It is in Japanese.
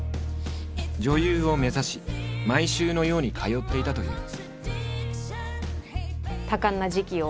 女優を目指し毎週のように通っていたという。